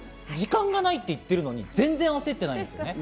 時間がないって言ってるのに全然焦ってない。